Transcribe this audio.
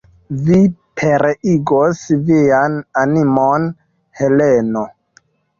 Vi pereigos vian animon, Heleno!